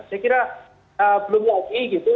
saya kira belum lagi gitu